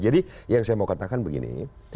jadi yang saya mau katakan begini